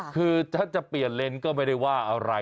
คือถ้าจะเปลี่ยนเลนส์ก็ไม่ได้ว่าอะไร